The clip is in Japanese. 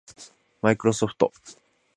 マイクロソフト